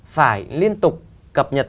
phải liên tục cập nhật